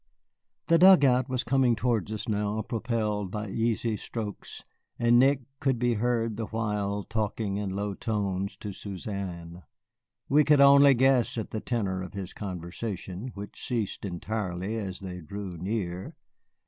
The dugout was coming towards us now, propelled by easy strokes, and Nick could be heard the while talking in low tones to Suzanne. We could only guess at the tenor of his conversation, which ceased entirely as they drew near.